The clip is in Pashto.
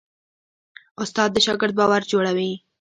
استاد د شاګرد باور جوړوي.